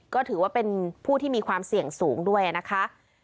ก็ถือว่าเป็นผู้ที่มีความเสี่ยงสูงด้วยนะคะ